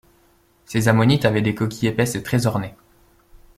Ces ammonites avaient des coquilles épaisses et très ornées.